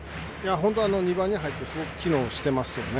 ２番に入ってすごく機能していますよね。